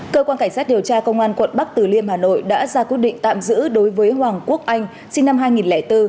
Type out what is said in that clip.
cơ quan cảnh sát điều tra công an quận bắc từ liêm hà nội đã ra quyết định tạm giữ đối với hoàng quốc anh sinh năm hai nghìn bốn